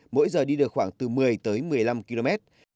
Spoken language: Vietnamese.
mỗi giờ đi được khoảng từ một mươi tới một mươi năm km